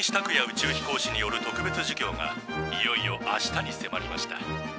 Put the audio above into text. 宇宙飛行士による特別授業がいよいよ明日にせまりました。